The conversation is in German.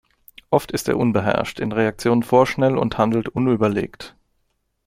Oft ist er unbeherrscht, in Reaktionen vorschnell und handelt unüberlegt.